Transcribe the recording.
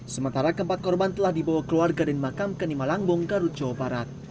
sementara keempat korban telah dibawa keluarga dan makam ke nimalang bonggaru jawa barat